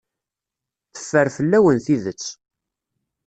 Teffer fell-awen tidet.